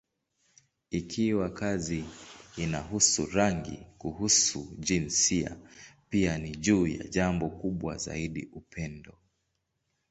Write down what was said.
Ikiwa kazi inahusu rangi, kuhusu jinsia, pia ni juu ya jambo kubwa zaidi: upendo.